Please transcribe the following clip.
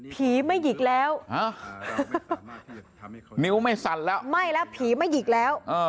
ผีมัยหยิกแล้วผีมัยหยิกแล้ว